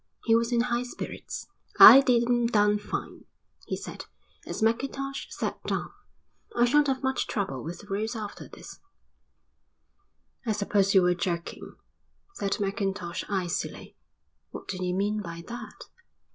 He was in high spirits. "I did 'em down fine," he said, as Mackintosh sat down. "I shan't have much trouble with the roads after this." "I suppose you were joking," said Mackintosh icily. "What do you mean by that?"